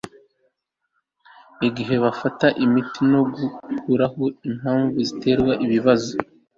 igihe bafata imiti no gukuraho impamvu zitera ibibazo